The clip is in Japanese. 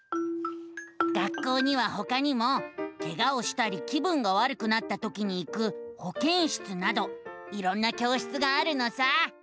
学校にはほかにもケガをしたり気分がわるくなったときに行くほけん室などいろんな教室があるのさ。